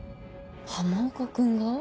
浜岡君が？